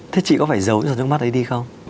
thế chị có phải giấu những giọt nước mắt ấy đi không